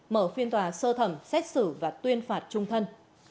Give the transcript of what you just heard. mở phiên tòa sơ thẩm xét xử và tuyên phạt trung thân